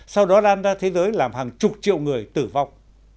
sau đó đan ra thế giới làm hàng chục triệu người tử vọng